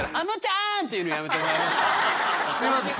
すいません。